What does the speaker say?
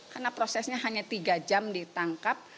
karena prosesnya hanya tiga jam ditangkap